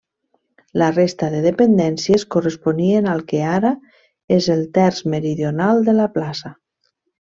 La resta de dependències corresponien al que ara és el terç meridional de la plaça.